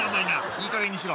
いいかげんにしろ。